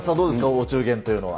お中元というのは。